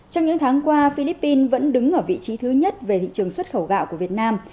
trong những tháng qua philippines vẫn đứng ở vị trí thứ nhất về thị trường xuất khẩu gạo của việt nam